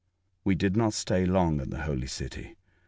" We did not stay long at the Holy City.